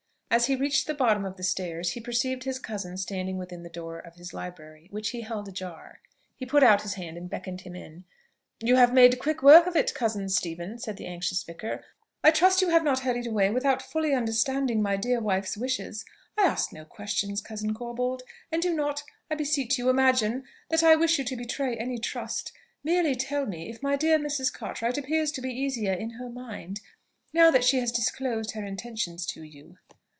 As he reached the bottom of the stairs, he perceived his cousin standing within the door of his library, which he held ajar. He put out his hand and beckoned him in. "You have made quick work of it, cousin Stephen," said the anxious vicar. "I trust you have not hurried away without fully understanding my dear wife's wishes. I ask no questions, cousin Corbold, and do not, I beseech you, imagine that I wish you to betray any trust; merely tell me if my dear Mrs. Cartwright appears to be easier in her mind now that she has disclosed her intentions to you."